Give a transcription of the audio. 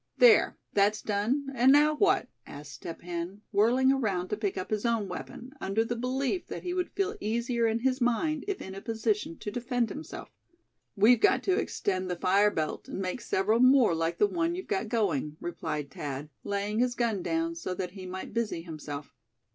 "There, that's done; and now what?" asked Step Hen, whirling around to pick up his own weapon, under the belief that he would feel easier in his mind if in a position to defend himself. "We've got to extend the fire belt, and make several more like the one you've got going," replied Thad, laying his gun down, so that he might busy himself.